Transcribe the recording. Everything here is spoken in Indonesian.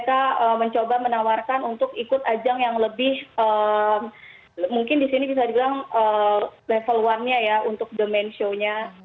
mungkin dari situ mereka menawarkan untuk ikut ajang yang lebih mungkin disini bisa dibilang level satu nya ya untuk domain show nya